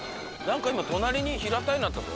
今隣に平たいのあったぞ。